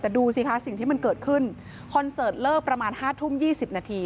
แต่ดูสิคะสิ่งที่มันเกิดขึ้นคอนเสิร์ตเลิกประมาณ๕ทุ่ม๒๐นาที